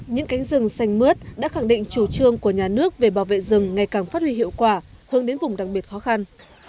những cánh rừng xanh mướt đã khẳng định chủ trương của nhà nước về bảo vệ rừng ngày càng phát huy hiệu quả hướng đến vùng đặc biệt khó khăn